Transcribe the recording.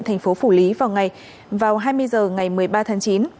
thành phố phủ lý vào hai mươi h ngày một mươi ba tháng chín